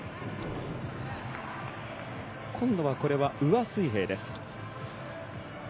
今度はこれは上水平です。